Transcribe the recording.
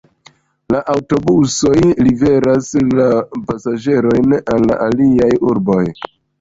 Aŭtobusoj liveras la pasaĝerojn al la aliaj urboj.